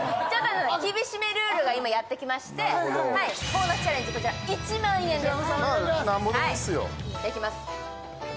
挑戦するのは厳しめルールが今やってきまして、ボーナスチャレンジ、こちら１万円です。